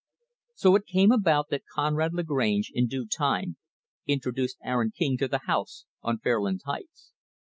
So it came about that Conrad Lagrange, in due time, introduced Aaron King to the house on Fairlands Heights.